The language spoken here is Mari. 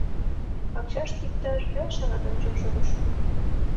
Пакчаште иктаж пел шагат ончен шогыш.